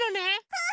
うん！